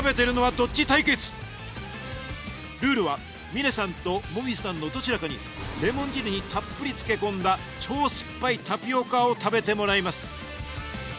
ルールは峰さんと紅葉さんのどちらかにレモン汁にたっぷり漬け込んだ超酸っぱいタピオカを食べてもらいます。